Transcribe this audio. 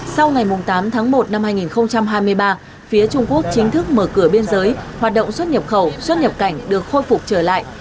sau ngày tám tháng một năm hai nghìn hai mươi ba phía trung quốc chính thức mở cửa biên giới hoạt động xuất nhập khẩu xuất nhập cảnh được khôi phục trở lại